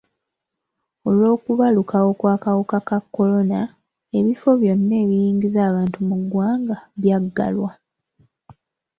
Olw'okubalukawo kw'akawuka ka kolona, ebifo byonna ebiyingiza abantu mu ggwanga byaggalwa.